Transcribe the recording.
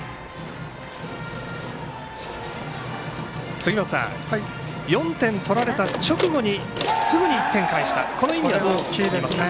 杉本さん、４点取られた直後にすぐに１点返したその意味はどう見ますか？